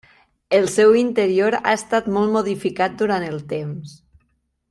El seu interior ha estat molt modificat durant el temps.